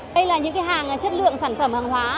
đây là những hàng chất lượng sản phẩm hàng hóa